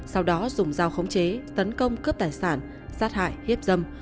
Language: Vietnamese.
sau đó dùng dao khống chế tấn công cướp tài sản sát hại hiếp dâm